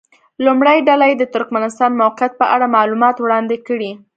لومړۍ ډله دې د ترکمنستان موقعیت په اړه معلومات وړاندې کړي.